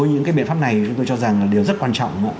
những cái biện pháp này chúng tôi cho rằng là điều rất quan trọng